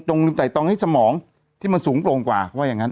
จงลืมไต่ตอนให้สมองที่มันสูงโปร่งกว่า